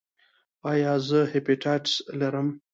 ایا زه هیپاټایټس لرم؟